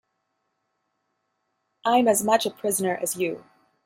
I'm as much a prisoner as you.